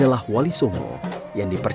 masjid sunan giri